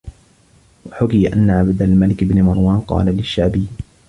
وَحُكِيَ أَنَّ عَبْدَ الْمَلِكِ بْنَ مَرْوَانَ قَالَ لِلشَّعْبِيِّ